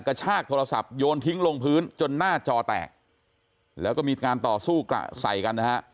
กระชากโทรศัพท์โยนทิ้งลงพื้นจนหน้าจอแตกแล้วก็มีการต่อสู้กระใส่กันนะฮะ